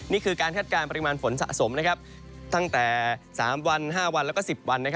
นี่คือการคาดการณ์ปริมาณฝนสะสมตั้งแต่๓วัน๕วันแล้วก็๑๐วัน